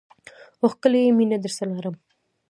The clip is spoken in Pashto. ښکلی یې، مینه درسره لرم